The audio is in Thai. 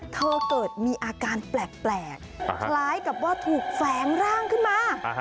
เกิดมีอาการแปลกคล้ายกับว่าถูกแฝงร่างขึ้นมา